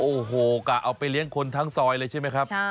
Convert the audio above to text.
โอ้โหกะเอาไปเลี้ยงคนทั้งซอยเลยใช่ไหมครับ